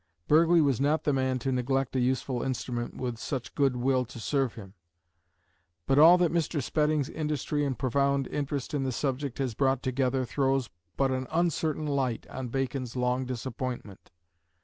Burghley was not the man to neglect a useful instrument with such good will to serve him. But all that Mr. Spedding's industry and profound interest in the subject has brought together throws but an uncertain light on Bacon's long disappointment.